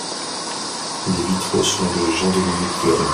Les vitraux sont de Jean-Dominique Fleury.